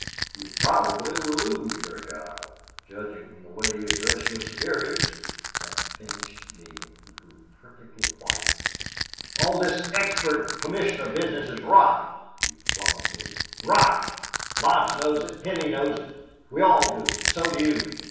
"You probably will lose your job, judging from the way you address your superiors." That finished Neale. He grew perfectly white. "All this expert commissioner business is rot," he flung at Lee. "Rot! Lodge knows it. Henney knows it. We all do. And so do you.